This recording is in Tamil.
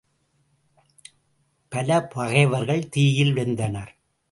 பல பகைவர்கள் தீயில் வெந்தனர்.